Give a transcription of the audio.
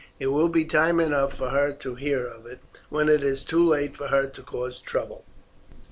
It will be time enough for her to hear of it when it is too late for her to cause trouble.